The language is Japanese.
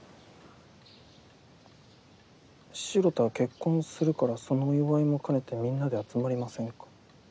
「城田結婚するからそのお祝いも兼ねてみんなで集まりませんか？」。